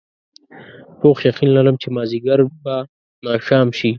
پوخ یقین لرم چې مازدیګر به ماښام شي.